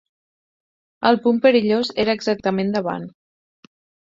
El punt perillós era exactament davant